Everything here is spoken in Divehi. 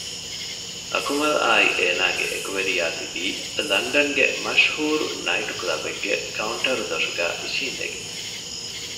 އަކުމަލްއާއި އޭނާގެ އެކުވެރިޔާ ތިބީ ލަންޑަންގެ މަޝްހޫރު ނައިޓު ކުލަބެއްގެ ކައުންޓަރު ދޮށުގައި އިށީނދެގެން